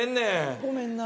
ごめんな。